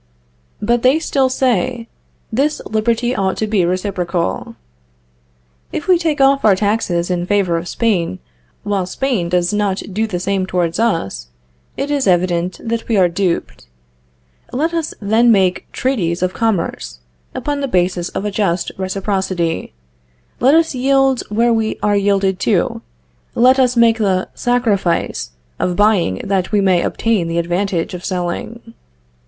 But they still say, this liberty ought to be reciprocal. If we take off our taxes in favor of Spain, while Spain does not do the same towards us, it is evident that we are duped. Let us then make treaties of commerce upon the basis of a just reciprocity; let us yield where we are yielded to; let us make the sacrifice of buying that we may obtain the advantage of selling.